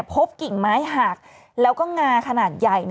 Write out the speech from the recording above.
กิ่งไม้หักแล้วก็งาขนาดใหญ่